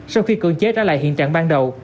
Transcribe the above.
sau khi cường chế trả lại hiện trạng ban đầu